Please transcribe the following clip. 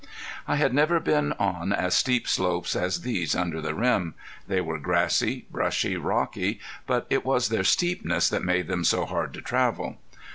I had never been on as steep slopes as these under the rim. They were grassy, brushy, rocky, but it was their steepness that made them so hard to travel.